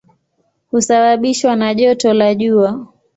Husababishwa na joto la jua.